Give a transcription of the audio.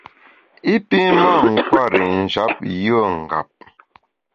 I pi mâ nkwer i njap yùe ngap.